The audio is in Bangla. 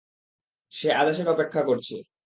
সে আদেশের অপেক্ষা করছে।